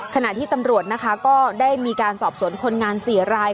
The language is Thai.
ขณะที่ตำรวจนะคะก็ได้มีการสอบสวนคนงาน๔ราย